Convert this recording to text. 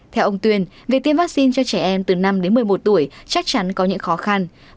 theo ông tuyên việc tiêm vaccine cho trẻ em từ năm đến một mươi một tuổi chắc chắn có những khó khăn